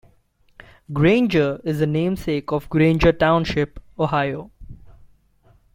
Granger is the namesake of Granger Township, Ohio.